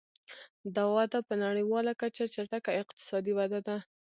دا وده په نړیواله کچه چټکه اقتصادي وده ده.